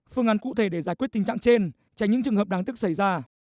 phương án cụ thể để giải quyết tình trạng trên tránh những trường hợp đáng tiếc xảy ra